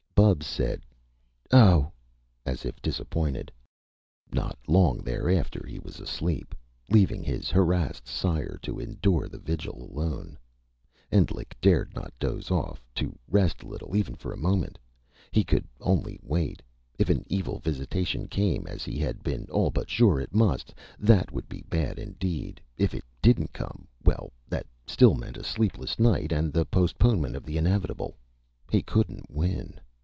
Bubs said "Oh," as if disappointed. Not long thereafter he was asleep, leaving his harrassed sire to endure the vigil alone. Endlich dared not doze off, to rest a little, even for a moment. He could only wait. If an evil visitation came as he had been all but sure it must that would be bad, indeed. If it didn't come well that still meant a sleepless night, and the postponement of the inevitable. He couldn't win.